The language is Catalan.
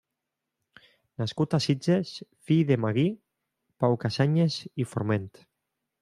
Nascut a Sitges, fill de Magí Pau Cassanyes i Forment.